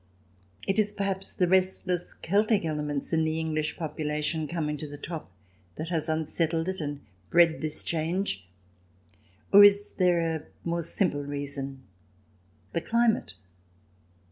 It is, perhaps, the restless Celtic elements in the English population coming to the top that has unsettled it, and bred this change. Or is there a more simple reason — the climate